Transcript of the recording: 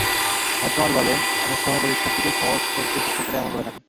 মোহিত কামাল বললেন, অনেক সময় পরীক্ষার্থীকে সহজ করতে শিক্ষকেরা এমন বলে থাকেন।